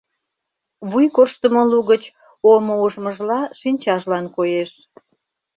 Вуй корштымо лугыч, омо ужмыжла, шинчажлан коеш.